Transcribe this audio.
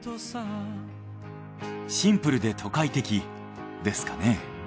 シンプルで都会的ですかね？